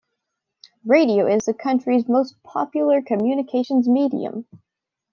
Radio is the country's most popular communications medium.